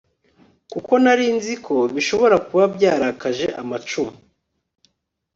Kubyo nari nzi ko bishobora kuba byarakaje amacumu